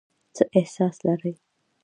څه احساس لرئ ؟